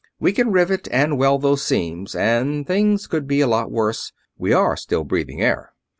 We can rivet and weld those seams, and things could be a lot worse we are still breathing air!"